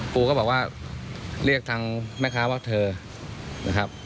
ครูก็บอกว่าเรียกทางแม่ค้าว่าเธอนะครับ